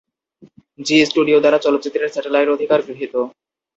জী স্টুডিও দ্বারা চলচ্চিত্রের স্যাটেলাইট অধিকার গৃহীত।